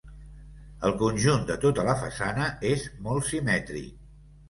El conjunt de tota la façana és molt simètric.